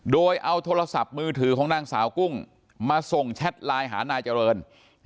โดยเอาโทรศัพท์มือถือของนางสาวกุ้งมาส่งแชทไลน์หานายเจริญ